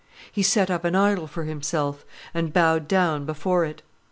He set up an idol for himself, and bowed down before it.